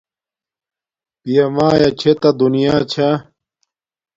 پیا مایا چھے تا دونیا چھا